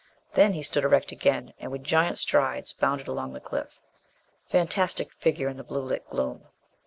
Then he stood erect again, and with giant strides bounded along the cliff. Fantastic figure in the blue lit gloom!